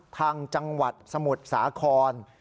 ทางจังหวัดสมุทรสาคร